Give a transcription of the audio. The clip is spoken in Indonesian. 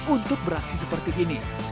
untuk beraksi seperti ini